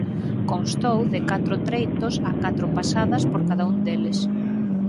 Constou de catro treitos a catro pasadas por cada un deles.